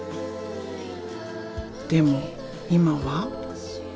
でも今は。